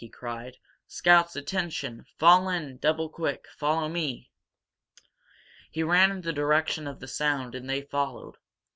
he cried. "Scouts, attention! Fall in! Double quick follow me!" He ran in the direction of the sound, and they followed.